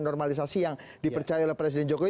normalisasi yang dipercaya oleh presiden jokowi